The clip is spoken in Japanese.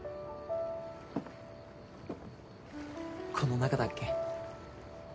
この中だっけ？